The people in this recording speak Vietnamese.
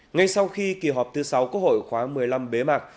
ngay sau khi kỳ họp thứ sáu quốc hội khóa một mươi năm bế mạc